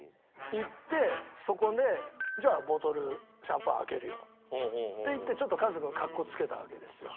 行ってそこでじゃあボトル「シャンパン開けるよ」って言ってちょっとカズ君かっこつけたわけですよ。